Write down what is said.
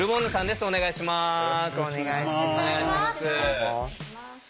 お願いします。